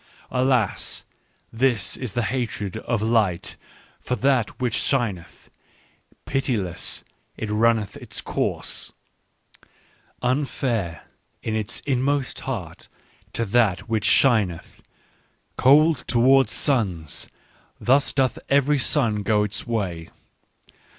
" Alas, this is the hatred of light for that which shineth : pitiless it runneth its course. Digitized by Google 112 ECCE HOMO " Unfair in its inmost heart to that which shineth ; cold toward suns, — thus doth every sun go its way.